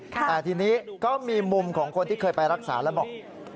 แต่ทีนี้ก็มีมุมของคนที่เคยไปรักษาแล้วบอก